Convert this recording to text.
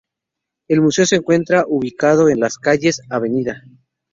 El museo se encuentra ubicado en las calles Av.